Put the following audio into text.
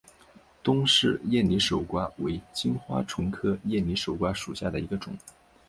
东氏艳拟守瓜为金花虫科艳拟守瓜属下的一个种。